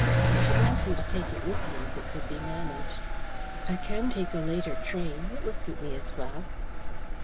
I should like you to take it with you, if it could be managed." "I can take a later train. It will suit me as well."